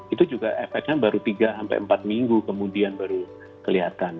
itu juga efeknya baru tiga empat minggu kemudian baru kelihatan